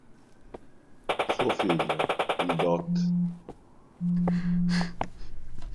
Suo figlio, il dott.